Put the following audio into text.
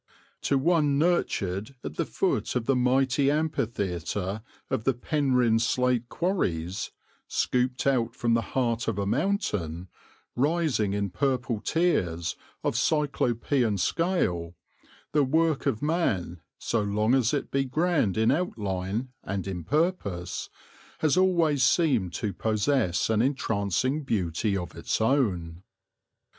To one nurtured at the foot of the mighty amphitheatre of the Penrhyn Slate Quarries, scooped out from the heart of a mountain, rising in purple tiers of Cyclopean scale, the work of man, so long as it be grand in outline and in purpose, has always seemed to possess an entrancing beauty of its own.